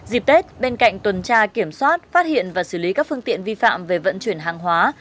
dịp tết bên cạnh tuần tra kiểm soát phát hiện và xử lý các phương tiện vi phạm về vận chuyển hàng hóa